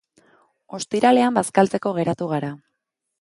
Ostiralean bazkaltzeko geratu gara.